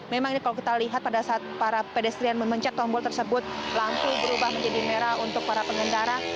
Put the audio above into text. memang ini kalau kita lihat pada saat para pedestrian memencet tombol tersebut lampu berubah menjadi merah untuk para pengendara